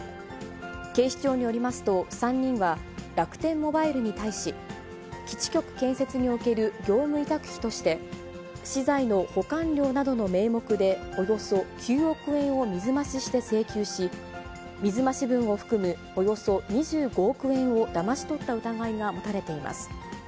警視庁によりますと、３人は、楽天モバイルに対し、基地局建設における業務委託費として、資材の保管料などの名目で、およそ９億円を水増しして請求し、水増し分を含むおよそ２５億円をだまし取った疑いが持たれています。